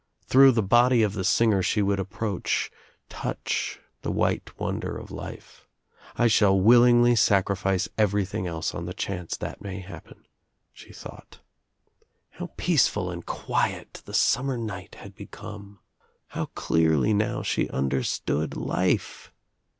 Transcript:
Through the body of the singer she would approach, touch the white wonder of life. "I shall willingly 8acriiice| everything else on the chance that may happen," shci thought. How peaceful and quiet the summer night had be j come I How clearly now she understood life!